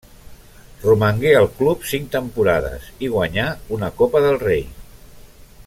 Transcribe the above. Romangué al club cinc temporades i guanyà una Copa del Rei.